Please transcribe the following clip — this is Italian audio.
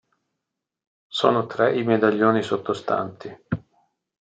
Sono tre i medaglioni sottostanti.